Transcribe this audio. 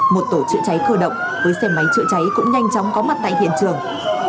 một tổ chữa cháy cơ động với xe máy chữa cháy cũng nhanh chóng có mặt tại hiện trường